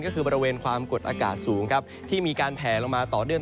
ก็คือบริเวณความกดอากาศสูงครับที่มีการแผลลงมาต่อเนื่อง